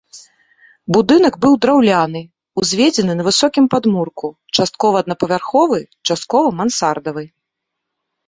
Будынак быў драўляны, узведзены на высокім падмурку, часткова аднапавярховы, часткова мансардавы.